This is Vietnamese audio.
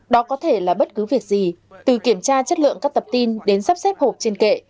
đó có thể là bất cứ việc gì từ kiểm tra chất lượng các tập tin đến sắp xếp hộp trên kệ